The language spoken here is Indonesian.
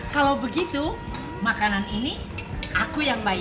kalau begitu makanan ini aku yang baik